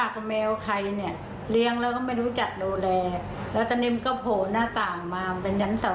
คือเบิ้นหรอดฝันเข้าบ้านเราก็บอกว่าทำไมทำอย่างนี้